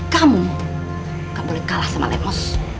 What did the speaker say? kamu gak boleh kalah sama letmos